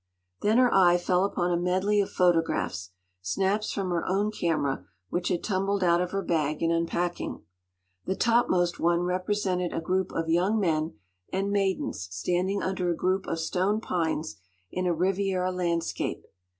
Then her eye fell upon a medley of photographs; snaps from her own camera, which had tumbled out of her bag in unpacking. The topmost one represented a group of young men and maidens standing under a group of stone pines in a Riviera landscape.